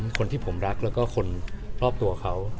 คนที่ผมรักแล้วก็คนรอบตัวเขา